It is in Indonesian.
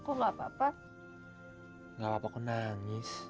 dan lewat sana kesini dileksaikan